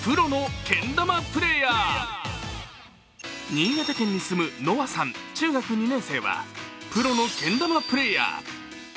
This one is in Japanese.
新潟県に住むＮＯＷＡさん中学２年生はプロのけん玉プレーヤー。